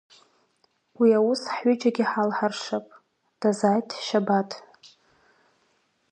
Уи аус ҳҩыџьагьы иҳалҳаршап, дазааит Шьабаҭ.